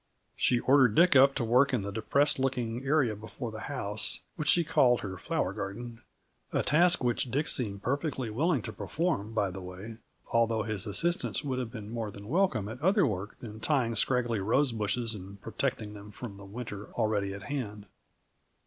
She ordered Dick up to work in the depressed looking area before the house, which she called her flower garden, a task which Dick seemed perfectly willing to perform, by the way although his assistance would have been more than welcome at other work than tying scraggly rose bushes and protecting them from the winter already at hand.